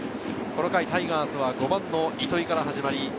タイガースは５番の糸井から始まります。